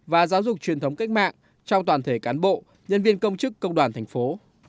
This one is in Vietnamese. và giáo dục truyền thống cách mạng trong toàn thể cán bộ nhân viên công chức công đoàn thành phố